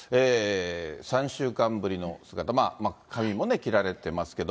３週間ぶりの姿、髪も切られてますけど。